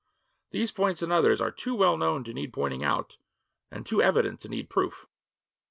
These points and others are too well known to need pointing out and too evident to need proof.'